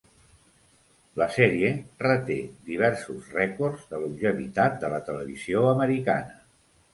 La sèrie reté diversos rècords de longevitat de la televisió americana.